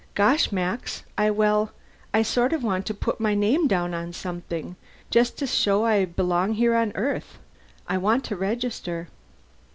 Gosh, Max, I well, I sort of want to put my name down on something. Just to show I belong here on Earth. I want to register."